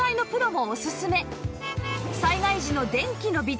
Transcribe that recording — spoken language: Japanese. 災害時の電気の備蓄